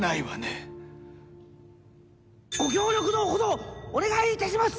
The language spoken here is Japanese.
ご協力のほどお願い致します！